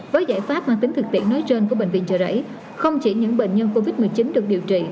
với giải pháp mang tính thực tiễn nói trên của bệnh viện trợ rẫy không chỉ những bệnh nhân covid một mươi chín được điều trị